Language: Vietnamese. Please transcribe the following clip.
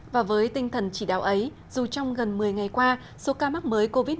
và với tinh thần chỉ đạo ấy dù trong gần một mươi ngày qua số ca mắc mới covid một mươi chín